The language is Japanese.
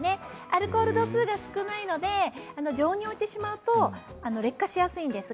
アルコール度数が少ないので常温に置いてしまうと劣化しやすいんです。